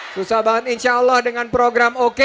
susah banget insya allah dengan program oke